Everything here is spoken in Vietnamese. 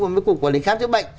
mấy cuộc quản lý khám chữa bệnh